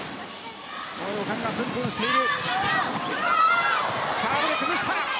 その予感がプンプンしている。